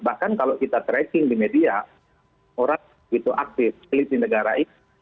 bahkan kalau kita tracking di media orang begitu aktif elit di negara itu